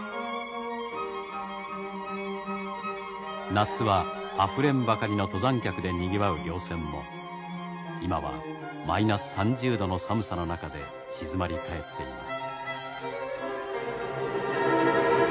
夏はあふれんばかりの登山客でにぎわう稜線も今はマイナス３０度の寒さの中で静まり返っています。